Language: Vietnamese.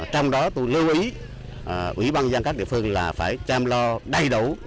trong đó tôi lưu ý ủy ban dân các địa phương là phải chăm lo đầy đủ